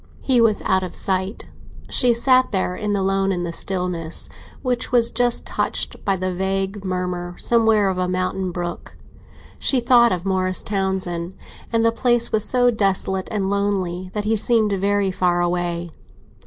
He was out of sight; she sat there alone, in the stillness, which was just touched by the vague murmur, somewhere, of a mountain brook. She thought of Morris Townsend, and the place was so desolate and lonely that he seemed very far away.